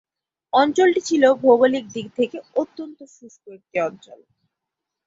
অঞ্চলটি ছিল ভৌগোলিক দিক থেকে অত্যন্ত শুষ্ক একটি অঞ্চল।